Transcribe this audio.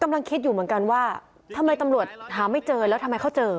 กำลังคิดอยู่เหมือนกันว่าทำไมตำรวจหาไม่เจอแล้วทำไมเขาเจอ